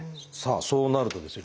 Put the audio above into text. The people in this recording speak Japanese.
そうなるとですよ